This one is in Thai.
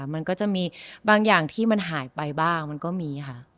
มันก็จะมีบางอย่างที่มันหายไปบ้างมันก็มีค่ะ